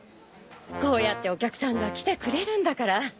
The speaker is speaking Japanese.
こうやってお客さんが来てくれるんだから。